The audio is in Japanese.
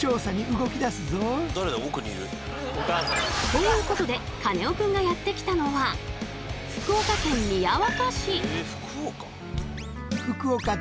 ということでカネオくんがやって来たのはでけえ。